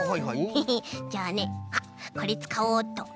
ヘヘッじゃあねあっこれつかおうっと。